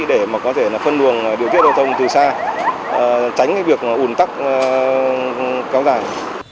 để có thể phân luồng điều kiện giao thông từ xa tránh việc un tắc cao dài